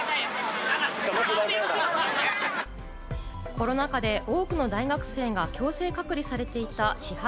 コロナ禍で多くの大学生が強制隔離されていた、シ博